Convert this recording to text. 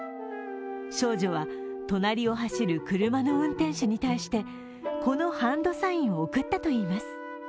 少女は隣を走る車の運転手に対してこのハンドサインを送ったといいます。